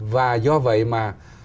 và do vậy mà